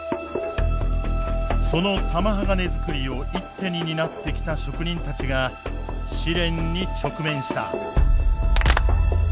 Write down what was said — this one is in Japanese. その玉鋼づくりを一手に担ってきた職人たちが試練に直面した。